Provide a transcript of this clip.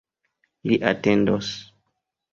Li atendos.